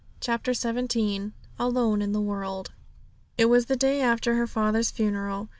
CHAPTER XVII ALONE IN THE WORLD It was the day after her father's funeral.